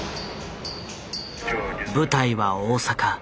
舞台は大阪。